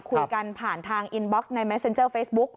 คุยกันผ่านทางอินบ็อกซ์ในแมสเซ็นเจอร์เฟซบุ๊ก